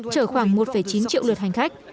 trở khoảng một chín triệu lượt hành khách